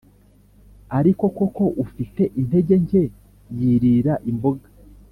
Ariko koko ufite intege nke yirira imboga